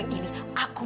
tidak ada foto